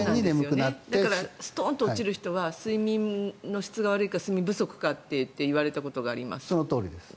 だからストンと落ちる人は睡眠の質が悪いか睡眠不足かってそのとおりです。